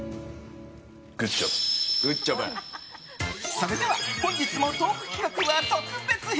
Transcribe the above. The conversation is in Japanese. それでは、本日もトーク企画は特別編。